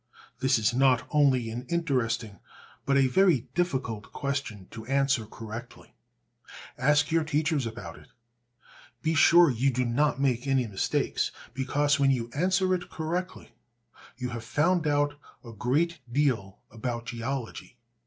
This is not only an interesting but a very difficult question to answer correctly. Ask your teachers about it. Be sure you do not make any mistakes, because when you answer it correctly you have found out a great deal about geology.